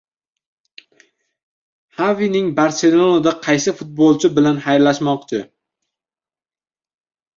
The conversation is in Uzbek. Xavining “Barselona”da qaysi futbolchi bilan xayrlashmoqchi?